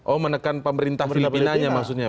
oh menekan pemerintah filipinanya maksudnya